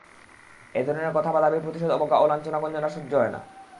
এ ধরনের কথা বা দাবির প্রতিশোধ অবজ্ঞা ও লাঞ্ছনা-গঞ্জনা হয় না।